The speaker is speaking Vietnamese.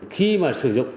khi mà sử dụng